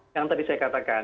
yang tadi saya katakan